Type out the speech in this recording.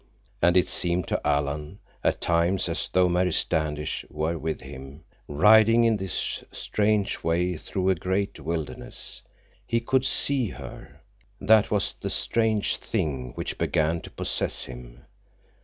And it seemed to Alan, at times, as though Mary Standish were with him, riding in this strange way through a great wilderness. He could see her. That was the strange thing which began to possess him.